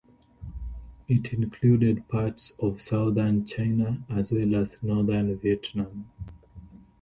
It included parts of southern China, as well as northern Vietnam.